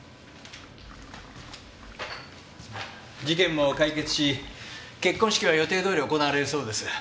「」事件も解決し結婚式は予定どおり行われるそうです。